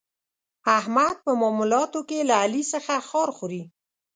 احمد په معاملاتو کې له علي څخه خار خوري.